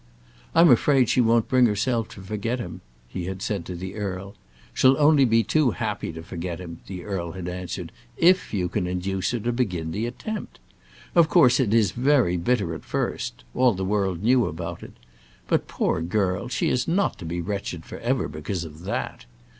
"I'm afraid she won't bring herself to forget him," he had said to the earl. "She'll only be too happy to forget him," the earl had answered, "if you can induce her to begin the attempt. Of course it is very bitter at first; all the world knew about it; but, poor girl, she is not to be wretched for ever, because of that.